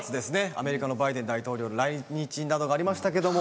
アメリカのバイデン大統領の来日などがありましたけども。